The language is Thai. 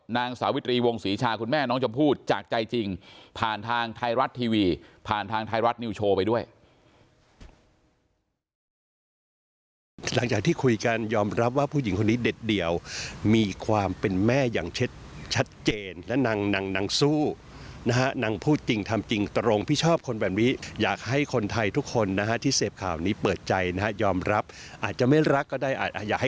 นางสาวิตรีวงศรีชาคุณแม่น้องชมพู่จากใจจริงผ่านทางไทยรัฐทีวีผ่านทางไทยรัฐนิวโชว์ไปด้วย